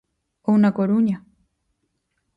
Ou na Coruña.